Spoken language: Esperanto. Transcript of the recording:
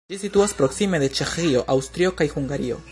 Ĝi situas proksime de Ĉeĥio, Aŭstrio kaj Hungario.